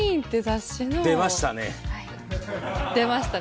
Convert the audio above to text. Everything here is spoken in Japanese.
出ましたね。